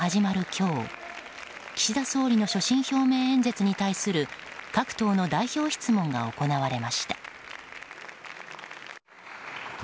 今日岸田総理の所信表明演説に対する各党の代表質問が行われました。